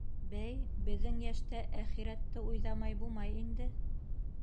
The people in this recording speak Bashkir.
Бәй, беҙҙең йәштә әхирәтте уйҙамай бумай инде...